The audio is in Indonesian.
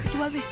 bapak itu be